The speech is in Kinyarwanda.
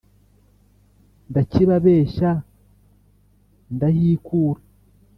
ndakibabeshya ndahikura